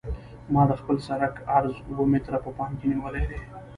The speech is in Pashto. ما د خپل سرک عرض اوه متره په پام کې نیولی دی